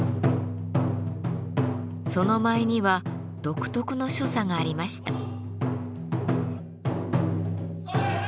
その舞には独特の所作がありました。